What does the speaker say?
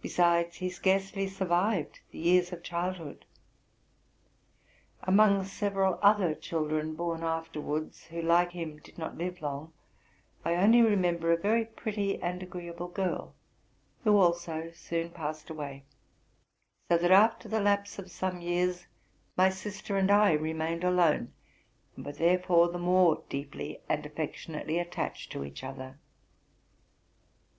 Be sides, he scarcely survived the years of childhood. Among several other children born afterwards, who, like him, did not live long, I only remember a very pretty and agreeable girl, who also soon passed away; so that, after the lapse of some years, my sister and I remained alone, and were there fore the more deeply and affectionately attached to each other.